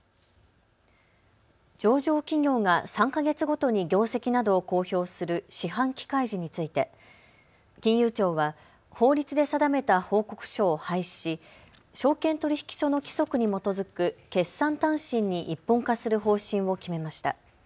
上場企業が３か月ごとに業績などを公表する四半期開示について金融庁は法律で定めた報告書を廃止し証券取引所の規則に基づく決算短信に一本化する方針を決めました。